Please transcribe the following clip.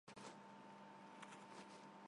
Այդ խնդիրներն առնչվում են նաև կրթական համակարգի հետ։